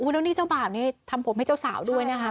แล้วเจ้าบ่าทำผมให้เจ้าสาวด้วยนะฮะ